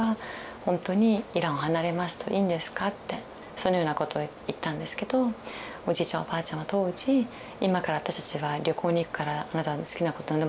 そのようなことを言ったんですけどおじいちゃんおばあちゃんは当時「今から私たちは旅行に行くからあなたは好きなこと何でもしなさい。